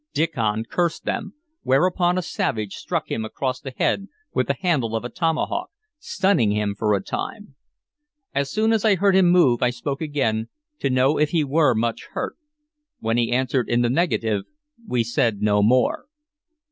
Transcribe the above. Diccon cursed them, whereupon a savage struck him across the head with the handle of a tomahawk, stunning him for a time. As soon as I heard him move I spoke again, to know if he were much hurt; when he had answered in the negative we said no more.